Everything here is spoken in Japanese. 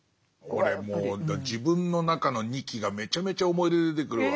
俺もう自分の中の仁木がめちゃめちゃ思い出で出てくるわ。